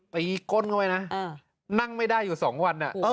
ก้นเข้าไปนะนั่งไม่ได้อยู่๒วัน